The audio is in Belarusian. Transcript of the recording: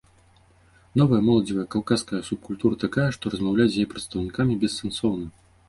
Новая моладзевая каўказская субкультура такая, што размаўляць з яе прадстаўнікамі бессэнсоўна.